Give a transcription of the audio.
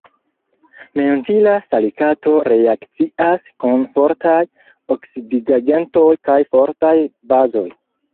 Mentila salikato reakcias kun fortaj oksidigagentoj kaj fortaj bazoj.